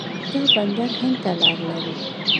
دا بندر هند ته لاره لري.